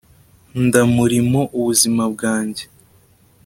ndamurimo ubuzima bwanjye